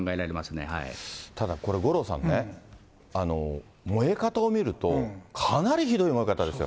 ただこれ、五郎さんね、燃え方を見ると、かなりひどい燃え方ですよ。